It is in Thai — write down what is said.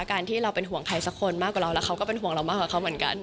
การที่เราเป็นห่วงใครสักคนมากกว่าเราแล้วเขาก็เป็นห่วงเรามากกว่าเขาเหมือนกัน